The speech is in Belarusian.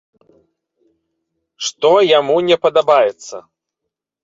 Што яму не падабаецца?